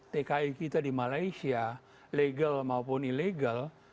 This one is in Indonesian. tki kita di malaysia legal maupun ilegal